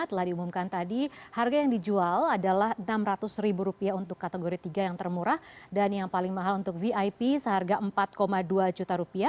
telah diumumkan tadi harga yang dijual adalah rp enam ratus untuk kategori tiga yang termurah dan yang paling mahal untuk vip seharga rp empat dua juta